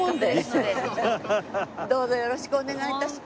どうぞよろしくお願い致します。